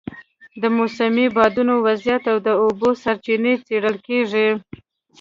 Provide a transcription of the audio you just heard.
د موسمي بادونو وضعیت او د اوبو سرچینې څېړل کېږي.